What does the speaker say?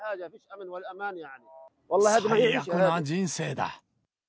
最悪な人生だ。